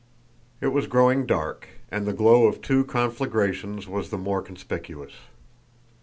It was growing dark and the glow of two conflagrations was the more conspicuous.